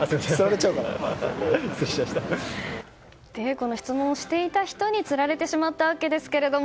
この質問をしていた人につられたわけですが。